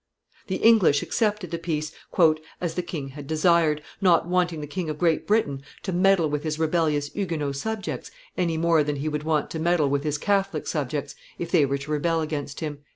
The English accepted the peace "as the king had desired, not wanting the King of Great Britain to meddle with his rebellious Huguenot subjects any more than he would want to meddle with his Catholic subjects if they were to rebel against him."